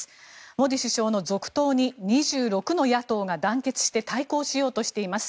モディ首相の続投に２６の野党が団結して対抗しようとしています。